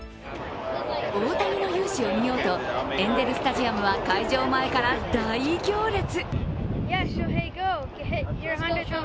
大谷の雄姿を見ようとエンゼル・スタジアムは開場前から大行列。